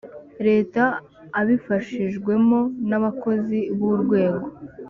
leta abifashijwemo n abakozi b urwego